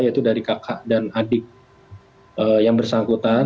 yaitu dari kakak dan adik yang bersangkutan